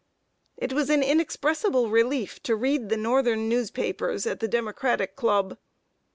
It was an inexpressible relief to read the northern newspapers at the Democratic Club.